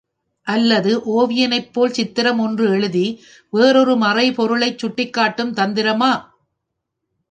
அல்லது ஒவியனைப் போல் சித்திரம் ஒன்று எழுதி வேறொரு மறை பொருளைச் சுட்டிக்காட்டும் தந்திரமா?